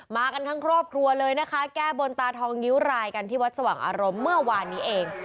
มากันทั้งครอบครัวเลยนะคะแก้บนตาทองนิ้วรายกันที่วัดสว่างอารมณ์เมื่อวานนี้เอง